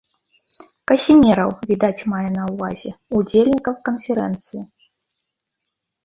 Касінераў, відаць мае на ўвазе, удзельнікаў канферэнцыі.